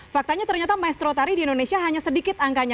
faktanya ternyata maestro tari di indonesia hanya sedikit angkanya